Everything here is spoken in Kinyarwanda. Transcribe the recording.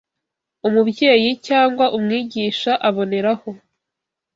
umubyeyi cyangwa umwigisha aboneraho